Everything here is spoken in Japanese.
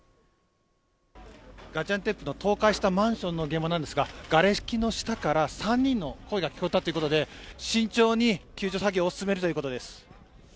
ガジアンテップの倒壊した建物なんですががれきの下から３人の声が聞こえたということで慎重に救助作業を進めるということです。